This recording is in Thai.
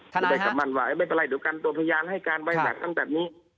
ทนไม่เป็นไรเดี๋ยวกันตัวพยายามให้การไว้หักตั้งแต่นี้